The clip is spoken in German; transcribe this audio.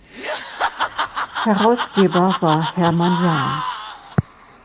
Herausgeber war Hermann Jahn.